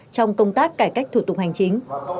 trong công tác cải cách thủ tục hành chính